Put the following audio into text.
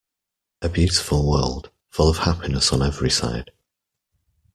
A beautiful world, full of happiness on every side.